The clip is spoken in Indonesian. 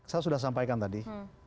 saya sudah sampaikan tadi